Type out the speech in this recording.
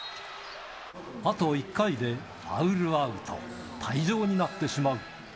あと１回でファウルアウト、退場になってしまう。